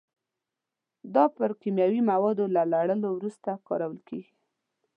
دا پر کیمیاوي موادو له لړلو وروسته کارول کېږي.